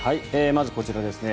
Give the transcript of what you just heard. まず、こちらですね。